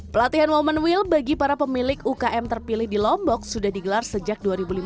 pelatihan woman will bagi para pemilik ukm terpilih di lombok sudah digelar sejak dua ribu lima belas